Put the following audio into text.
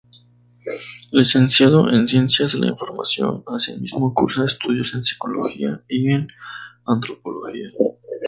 Licenciado en Ciencias de la Información asimismo cursa estudios en Psicología y en Antropología.